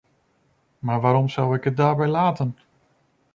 Maar waarom zou ik het daarbij laten?